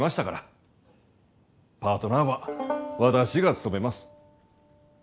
パートナーは私が務めます。